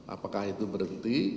apakah itu berhenti